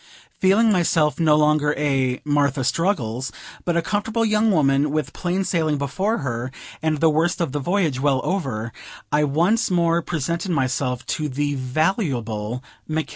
Feeling myself no longer a "Martha Struggles," but a comfortable young woman, with plain sailing before her, and the worst of the voyage well over, I once more presented myself to the valuable Mc K.